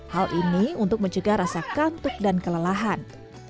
hal ini untuk mencegah rasa kantuk dan kelelahan